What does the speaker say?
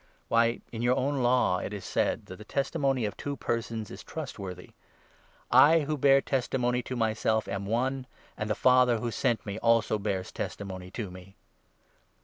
Why, in your own Law it is said that the testi 17 mony of two persons is trustworthy. I, who bear testimony 18 to myself, am one, and the Father who sent me also bears testimony to me."